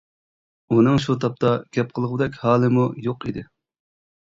ئۇنىڭ شۇ تاپتا گەپ قىلغۇدەك ھالىمۇ يوق ئىدى.